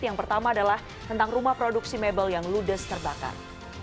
yang pertama adalah tentang rumah produksi mebel yang ludes terbakar